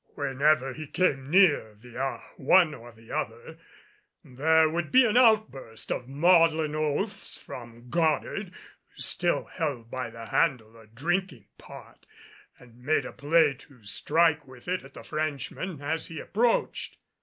Whenever he came near the one or the other, there would be an outburst of maudlin oaths from Goddard, who still held by the handle a drinking pot, and made a play to strike with it at the Frenchman as he approached.